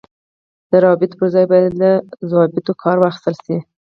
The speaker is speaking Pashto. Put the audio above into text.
د روابطو پر ځای باید له ضوابطو کار واخیستل شي.